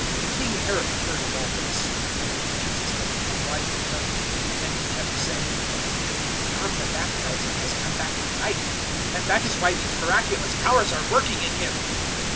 006:014 King Herod heard of all this (for the name of Jesus had become widely known), and he kept saying, "John the Baptizer has come back to life, and that is why these miraculous Powers are working in him."